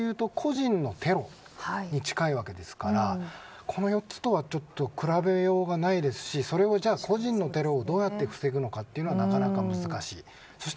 ただ今回に関してはどちらかというと個人のテロに近いわけですからこの４つとは比べようがないですし個人のテロをどうやって防ぐのかはなかなか難しい。